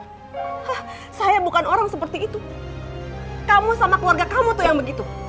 hah saya bukan orang seperti itu kamu sama keluarga kamu tuh yang begitu